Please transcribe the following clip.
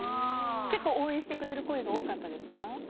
結構、応援してくれる声が多かったですか？